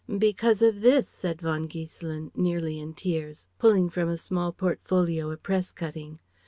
"Because of this," said von Giesselin, nearly in tears, pulling from a small portfolio a press cutting.